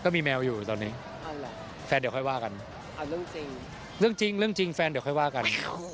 ก็มีแมวอยู่ตอนนี้แฟนเดี๋ยวค่อยว่ากันเรื่องจริงแฟนเดี๋ยวค่อยว่ากัน